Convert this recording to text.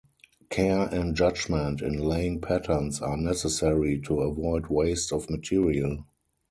Care and judgment in laying patterns are necessary to avoid waste of material.